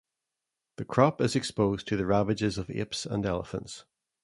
The crop is exposed to the ravages of apes and elephants.